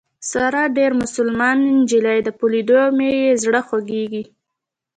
ساره ډېره مسلمان نجلۍ ده په لیدو مې یې زړه خوږېږي.